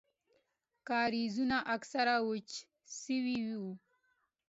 کاريزونه اکثره وچ سوي وو.